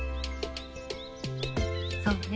そうね。